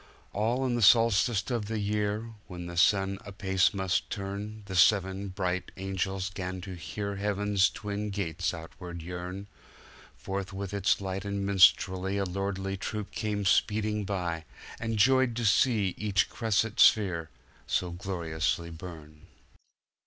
All in the solstice of the year, When the sun apace must turn, The seven bright angels 'gan to hear Heaven's twin gates outward yearn:Forth with its light and minstrelsyA lordly troop came speeding by, And joyed to see each cresset sphere So gloriously burn.